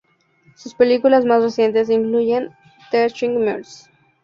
Sus películas más recientes incluyen "Teaching Mrs.